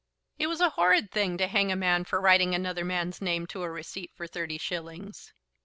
"It was a horrid thing to hang a man for writing another man's name to a receipt for thirty shillings."